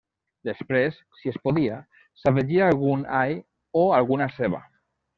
Després, si es podia, s'afegia algun all o alguna ceba.